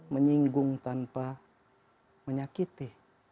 menyinggung tanpa menyakiti